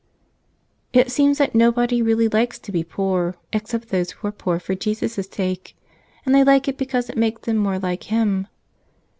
IT seems that nobody really likes to be poor, except those who are poor for Jesus' sake; and they like it because it makes them more like Him.